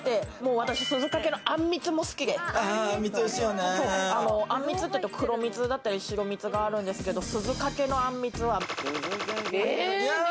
私、鈴懸のあんみつも好きで、あんみつというと、黒蜜だったり白蜜があるんですけれども、鈴懸のあんみつは○○。